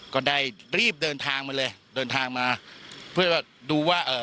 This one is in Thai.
ก็ได้รีบเดินทางมาเลยเดินทางมาเพื่อดูว่าเอ่อ